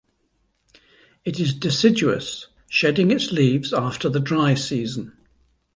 It is deciduous - shedding its leaves after the dry season.